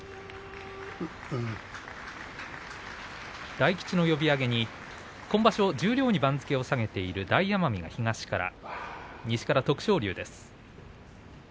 大吉の呼び上げに、今場所十両に番付を下げている大奄美が東から西から徳勝龍です。